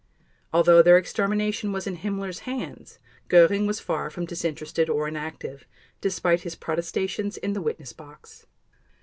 Although their extermination was in Himmler's hands, Göring was far from disinterested or inactive, despite his protestations in the witness box.